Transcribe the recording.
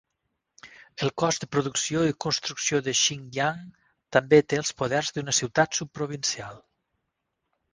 El Cos de producció i construcció de Xinjiang també té els poders d'una ciutat subprovincial.